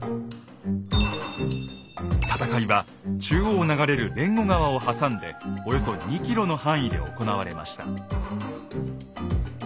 戦いは中央を流れる連吾川を挟んでおよそ２ｋｍの範囲で行われました。